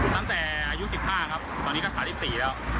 ตั้มแต่อายุ๑๕ครับตอนนี้ค่าสาทที่๔และ